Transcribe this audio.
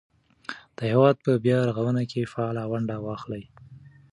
د هېواد په بیا رغونه کې فعاله ونډه واخلئ.